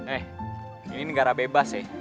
eh ini negara bebas sih